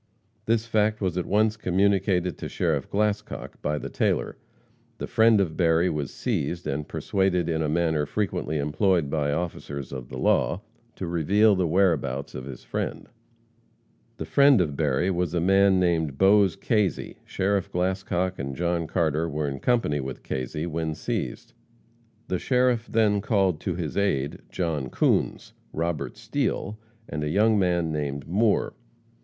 This fact was at once communicated to Sheriff Glascock by the tailor. The friend of Berry was seized, and persuaded in a manner frequently employed by officers of the law, to reveal the whereabouts of his friend. The friend of Berry was a man named Bose Kazy. Sheriff Glascock and John Carter were in company when Kazy was seized. The sheriff then called to his aid John Coons, Robert Steele, and a young man named Moore.